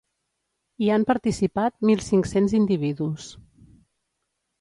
Hi han participat mil cinc-cents individus.